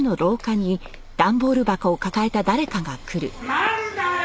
なんだよ！